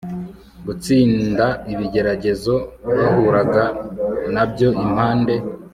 gutsinda ibigeragezo bahuraga na byo impande